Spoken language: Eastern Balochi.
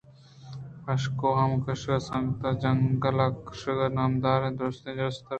پشک ءَ مَہ کشّ سنگت جَنگل ءَ کرگُشکے نامدار ات کہ درٛستیں رستر